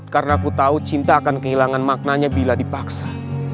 karena aku tahu cinta akan kehilangan maknanya bila dipaksa